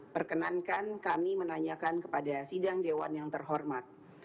perkenankan kami menanyakan kepada sidang dewan yang terhormat